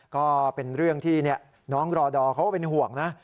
ก็เป็นเรื่องที่น้องรอดอร์เขาก็เป็นห่วงนะ